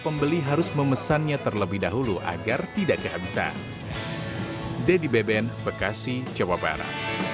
pembeli harus memesannya terlebih dahulu agar tidak kehabisan daddy beben bekasi cewapara